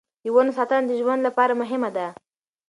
د ونو ساتنه د ژوند لپاره مهمه ده.